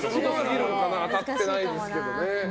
当たってないですけどね。